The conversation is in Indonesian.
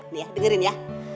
nih ya dengerin ya